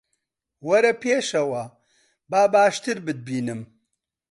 وەرە پێشەوە، با باشتر بتبینم